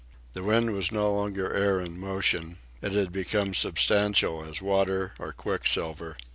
The wind was no longer air in motion. It had become substantial as water or quicksilver.